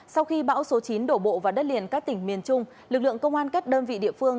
sau khi bão số chín đổ bộ vào đất liền các tỉnh miền trung lực lượng công an các đơn vị địa phương